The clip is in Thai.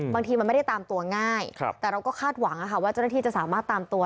บางทีมันไม่ได้ตามตัวง่ายแต่เราก็คาดหวังว่าเจ้าหน้าที่จะสามารถตามตัว